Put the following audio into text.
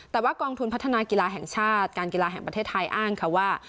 แต่ว่ากองทุนพัฒนากีฬาแห่งชาติการกีฬาแห่งประเทศไทยอ้างค่ะว่า